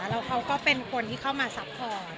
แล้วเขาก็เป็นคนที่เข้ามาซัพพอร์ต